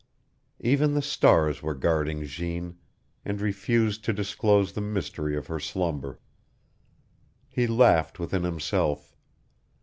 Even the stars were guarding Jeanne, and refused to disclose the mystery of her slumber. He laughed within himself.